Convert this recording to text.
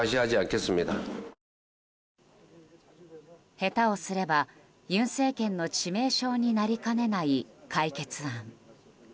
下手をすれば尹政権の致命傷になりかねない解決案。